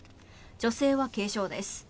女性は軽傷です。